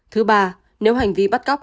thứ ba nếu hành vi bắt cóc